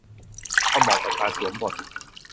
ก็เหมาะกับการสวมบท